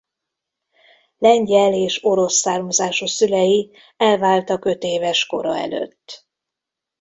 Lengyel és orosz származású szülei elváltak ötéves kora előtt.